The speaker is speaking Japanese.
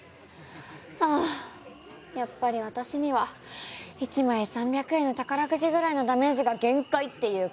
ああやっぱり私には１枚３００円の宝くじぐらいのダメージが限界っていうか。